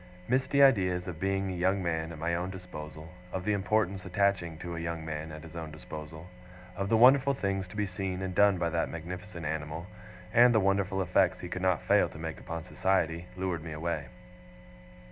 Misty ideas of being a young man at my own disposal, of the importance attaching to a young man at his own disposal, of the wonderful things to be seen and done by that magnificent animal, and the wonderful effects he could not fail to make upon society, lured me away.